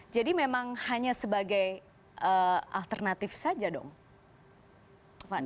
jadi memang hanya sebagai alternatif saja dong prof handi